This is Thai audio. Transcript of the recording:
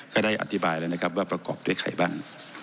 ก็ได้อธิบายแล้วนะครับว่าประกอบด้วยใครบ้าง